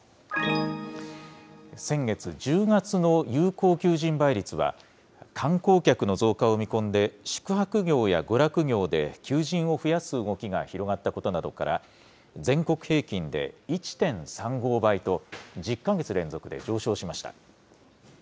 先月・１０月の有効求人倍率は、観光客の増加を見込んで、宿泊業や娯楽業で求人を増やす動きが広がったことなどから、全国平均で１．３５倍と、１０か月連続で上昇しました。